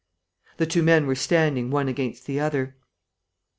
The two men were standing one against the other.